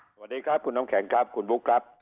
สวัสดีครับคุณน้ำแข็งครับคุณบุ๊คครับ